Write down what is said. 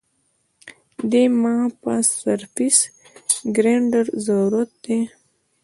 دې ما سرفېس ګرېنډر ضرورت ده